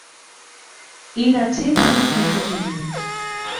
এর আছে নানা ভেষজ গুণ।